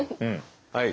はい。